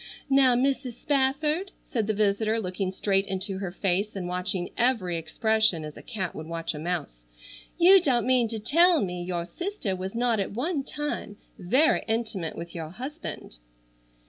"Now, Mrs. Spafford," said the visitor, looking straight into her face and watching every expression as a cat would watch a mouse, "you don't mean to tell me your sister was not at one time very intimate with your husband."